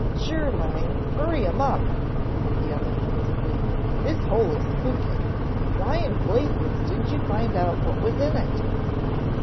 "Sure, Lang, hurry 'em up," said the other nervously. "This hole is spooky. Why in blazes didn't you find out what was in it?"